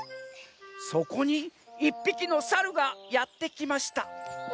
「そこにいっぴきのサルがやってきました」。